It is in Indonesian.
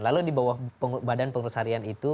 lalu di bawah badan pengurus harian itu